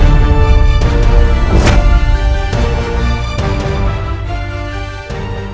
dasar kau ulang pembohong